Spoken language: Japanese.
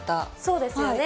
そうですよね。